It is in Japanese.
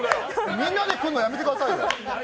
みんなでくるのやめてくださいよ。